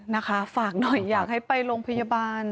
นะคะฝากหน่อยอยากให้ไปโรงพยาบาล